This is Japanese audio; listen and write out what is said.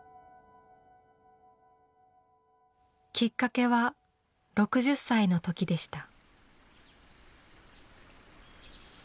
きっかけは６０歳の時でした。